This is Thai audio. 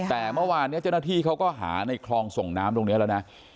แต่เมื่อวานนี้เจ้าหน้าที่เขาก็หาในคลองส่งน้ำตรงนี้แล้วนะ